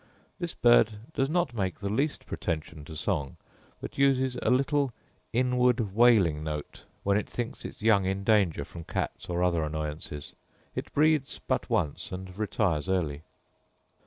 This bird does not make the least pretension to song, but uses a little inward wailing note when it thinks its young in danger from cats or other annoyances: it breeds but once, and retires early.